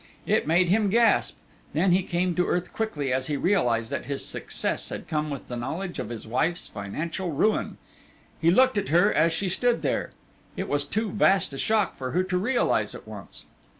It made him gasp then he came to earth quickly as he realized that his success had come with the knowledge of his wife's financial ruin. He looked at her as she stood there it was too vast a shock for her to realize at once.